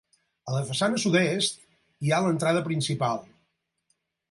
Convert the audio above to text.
A la façana sud-est, hi ha l'entrada principal.